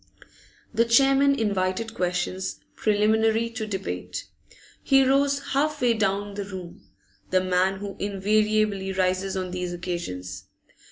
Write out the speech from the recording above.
The chairman invited questions, preliminary to debate. He rose half way down the room, the man who invariably rises on these occasions.